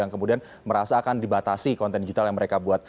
yang kemudian merasakan dibatasi konten digital yang mereka buat